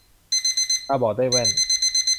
ตาบอดได้แว่น